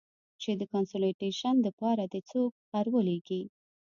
چې د کانسولټېشن د پاره دې څوک ارولېږي.